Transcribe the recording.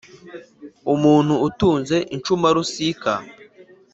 umuntu utunze incumarusika !